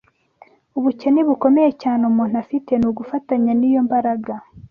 Ubukene bukomeye cyane umuntu afite ni ugufatanya n’iyo mbaraga